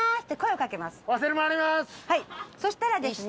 そしたらですね。